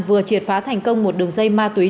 vừa triệt phá thành công một đường dây ma túy